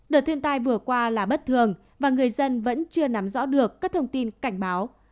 đợt thiên tai vừa qua là bất thường và người dân vẫn chưa nắm rõ được các thông tin cảnh báo